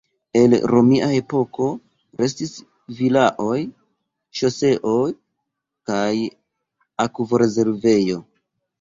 El romia epoko restis vilaoj, ŝoseo, kaj akvorezervejo.